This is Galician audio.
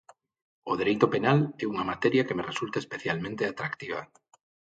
O Dereito Penal é unha materia que me resulta especialmente atractiva.